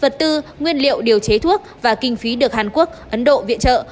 vật tư nguyên liệu điều chế thuốc và kinh phí được hàn quốc ấn độ viện trợ